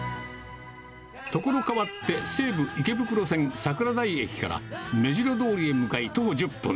所変わって、西武池袋線桜台駅からめじろ通りへ向かい、徒歩１０分。